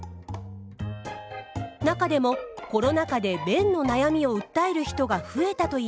中でもコロナ禍で便の悩みを訴える人が増えたといいます。